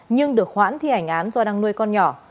nhưng được hoãn thi hành án do đang nuôi con nhỏ